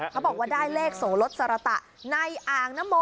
เขาบอกว่าได้เลขโสรสสรตะในอ่างนโม